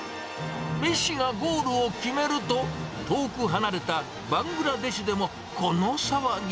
メッシがゴールを決めると、遠く離れたバングラデシュでもこの騒ぎ。